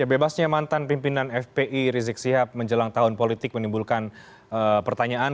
bebasnya mantan pimpinan fpi rizik sihab menjelang tahun politik menimbulkan pertanyaan